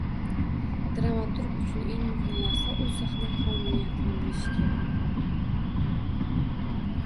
Dramaturg uchun eng muhim narsa, u sahna qonuniyatini bilishi kerak